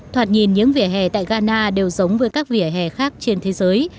thoạt nhìn những vỉa hè tại ghana đều giống với các vỉa hè khác trên thế giới